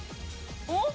おっ！